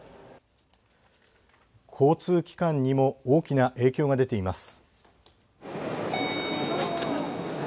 交通機関にも大きな影響が出ています。